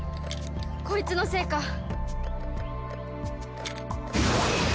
こいつのせいか！